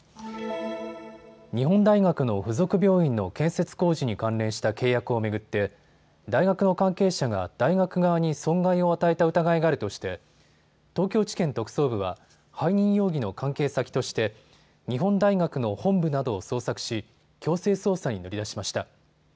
日本大学の付属病院の建設工事に関連した契約を巡って大学の関係者が大学側に損害を与えた疑いがあるとして東京地検特捜部は背任容疑の関係先として日本大学の本部などを捜索し、強制捜査に乗り出しました。